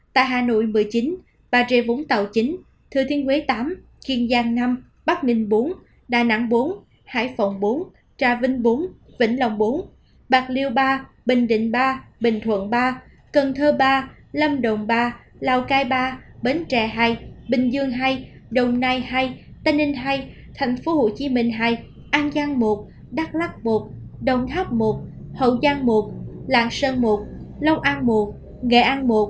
tại hà nội một mươi chín bà rê vũng tàu chín thừa thiên quế tám kiên giang năm bắc ninh bốn đà nẵng bốn hải phòng bốn trà vinh bốn vĩnh lòng bốn bạc liêu ba bình định ba bình thuận ba cần thơ ba lâm đồng ba lào cai ba bến trẻ hai bình dương hai đồng nai hai tây ninh hai thành phố hồ chí minh hai an giang một đắk lắc một đồng tháp một hậu giang một lạng sơn một lâu an một nghệ an một